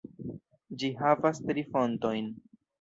Ĝi havas tri fontojn.